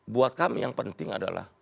buat kami yang penting adalah